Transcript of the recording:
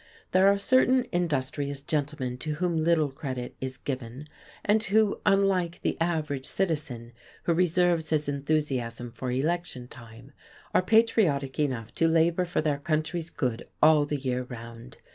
There are certain industrious gentlemen to whom little credit is given, and who, unlike the average citizen who reserves his enthusiasm for election time, are patriotic enough to labour for their country's good all the year round.